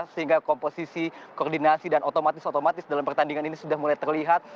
sehingga komposisi koordinasi dan otomatis otomatis dalam pertandingan ini sudah mulai terlihat